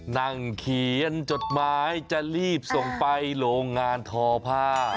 นั่งเขียนจดหมายจะรีบส่งไปโรงงานทอผ้า